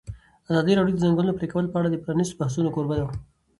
ازادي راډیو د د ځنګلونو پرېکول په اړه د پرانیستو بحثونو کوربه وه.